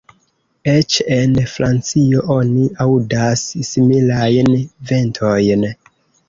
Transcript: Eĉ en Francio oni aŭdas similajn ventojn.